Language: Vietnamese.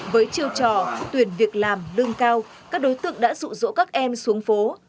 với chiêu trò tuyển việc làm lương cao các đối tượng đã rụ rỗ các em xuống phố